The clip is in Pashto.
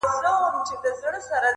هغه په ژړا ستغ دی چي يې هيڅ نه ژړل ـ